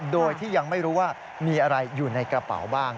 โดยที่ยังไม่รู้ว่ามีอะไรอยู่ในกระเป๋าบ้าง